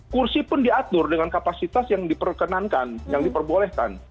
kursi pun diatur dengan kapasitas yang diperkenankan yang diperbolehkan